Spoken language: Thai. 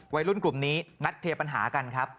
วัยรุ่นกลุ่มนี้นัดเคลียร์ปัญหากันครับ